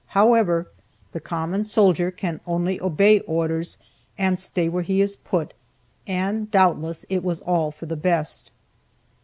However, the common soldier can only obey orders, and stay where he is put, and doubtless it was all for the best.